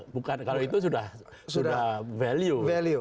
bukan kalau itu sudah value